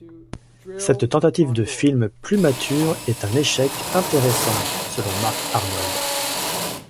Cette tentative de film plus mature est un échec intéressant selon Mark Arnold.